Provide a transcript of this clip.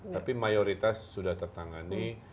tapi mayoritas sudah tertangani